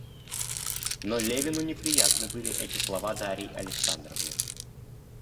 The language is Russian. Но Левину неприятны были эти слова Дарьи Александровны.